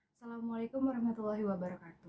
assalamualaikum wr wb